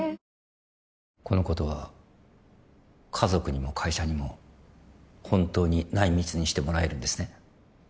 このことは家族にも会社にも本当に内密にしてもらえるんですね